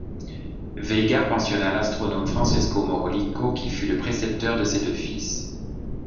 Vega pensionna l'astronome Francesco Maurolico, qui fut le précepteur de ses deux fils.